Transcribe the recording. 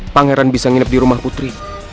pangeran bisa nginep di rumah putri